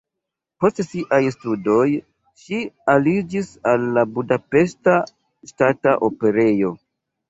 Post siaj studoj ŝi aliĝis al Budapeŝta Ŝtata Operejo.